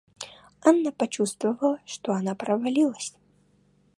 Анна почувствовала, что она провалилась.